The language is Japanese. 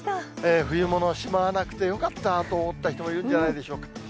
冬物をしまわなくてよかったと思った人もいるんじゃないでしょうか。